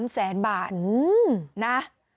๓แสนบาทนะ